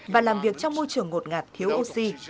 và làm việc trong môi trường ngột ngạt thiếu oxy